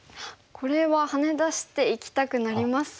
これはハネ出していきたくなりますが。